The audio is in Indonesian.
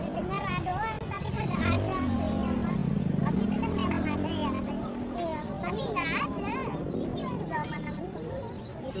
itu monyet nggak ada